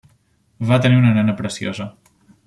Van tenir una nena preciosa.